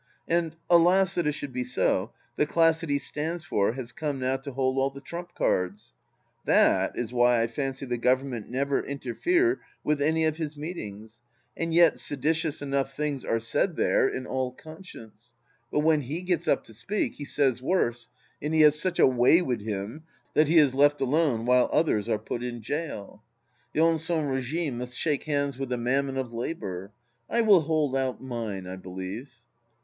And — ^alas, that it should be so I — the class that he stands for has come now to hold all the trump cards. That is why I fancy the Government never interfere with any of his meetings, and yet seditious enough things are said there in all 244 THE LAST DITCH conscience. But when he gets up to speak, he says worse, and he has " such a way wid him " that he is left alone while others are put in jail. The Ancien Bigime must shake hands with the Mammon of Labour. I will hold out mine, I believe.